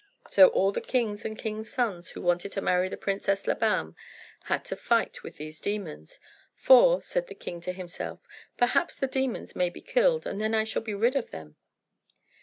So all the kings and kings' sons who wanted to marry the Princess Labam had to fight with these demons; "for," said the king to himself, "perhaps the demons may be killed, and then I shall be rid of them."